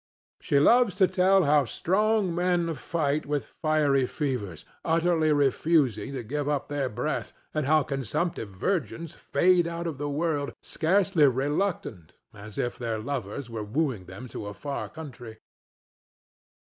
She loves to tell how strong men fight with fiery fevers, utterly refusing to give up their breath, and how consumptive virgins fade out of the world, scarcely reluctant, as if their lovers were wooing them to a far country.